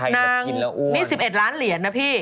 นางนี่๑๑ล้านเหรียญนะพี่